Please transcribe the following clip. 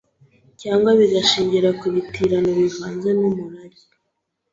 Cyangwa bigashingira ku bitirano bivanze n’umurag